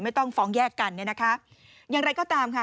ต้องฟ้องแยกกันเนี่ยนะคะอย่างไรก็ตามค่ะ